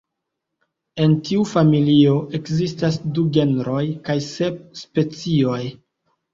En tiu familio ekzistas du genroj kaj sep specioj.